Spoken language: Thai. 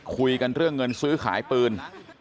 คุยกันเรื่องเงินซื้อขายปืน